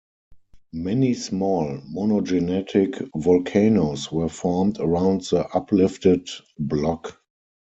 Many small monogenetic volcanoes were formed around the uplifted block.